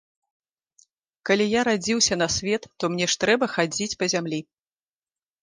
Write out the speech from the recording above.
Калі я радзіўся на свет, то мне ж трэба хадзіць па зямлі.